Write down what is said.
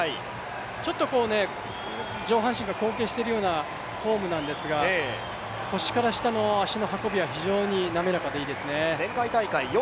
ちょっと上半身が後傾しているようなフォームなんですが、腰から下の足の運びは非常に滑らかでいいですね。